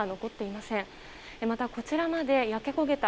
また、こちらまで焼け焦げた